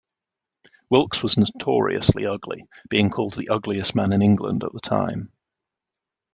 Wilkes was notoriously ugly, being called the ugliest man in England at the time.